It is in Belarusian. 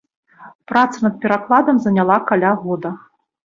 Праца над перакладам заняла каля года.